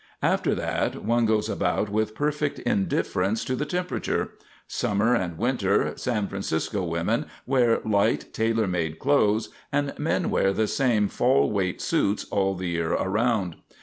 After that one goes about with perfect indifference to the temperature. Summer and winter, San Francisco women wear light tailor made clothes, and men wear the same fall weight suits all the year around.